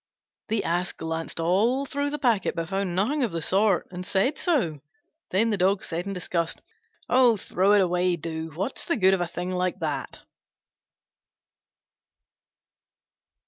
The Ass glanced all through the packet, but found nothing of the sort, and said so. Then the Dog said in disgust, "Oh, throw it away, do: what's the good of a thing like that?"